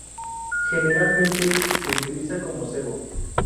Generalmente se utiliza como cebo.